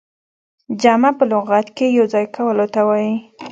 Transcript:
جمع په لغت کښي يو ځاى کولو ته وايي.